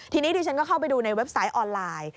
ทีนี้ดิฉันก็เข้าไปดูในเว็บไซต์ออนไลน์